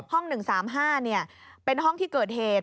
ห้อง๑๓๕เป็นห้องที่เกิดเหตุ